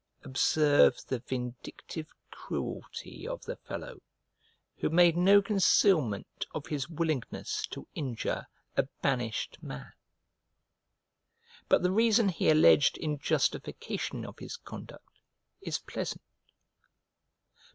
Observe the vindictive cruelty of the fellow, who made no concealment of his willingness to injure a banished man. But the reason he alleged in justification of his conduct is pleasant.